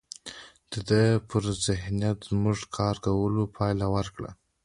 د ده پر ذهنیت زموږ کار کولو پایله ورکړه